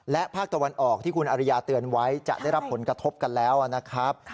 และภาคตะวันออกที่คุณอริยาเตือนไว้จะได้รับผลกระทบกันแล้วนะครับ